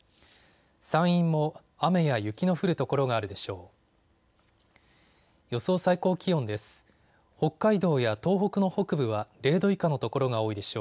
山陰も雨や雪の降る所があるでしょう。